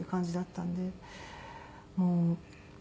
もう